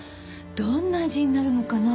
どんな味になるのかな？